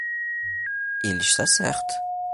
Ele está certo